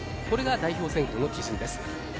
これが代表選考の基準です。